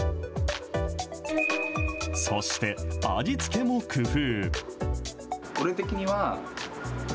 そして、味付けも工夫。